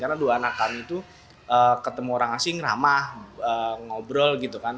karena dua anak kami itu ketemu orang asing ramah ngobrol gitu kan